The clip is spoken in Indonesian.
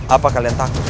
apa kalian takut